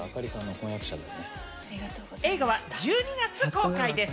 映画は１２月公開です。